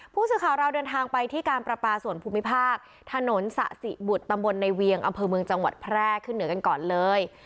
ผู้สื่อข่าวเราเดินทางไปที่การประปาส่วนภูมิภาคถนนสะสิบุตรตำบลในเวียงอำเภอเมืองจังหวัดแพร่ขึ้นเหนือกันก่อนเลย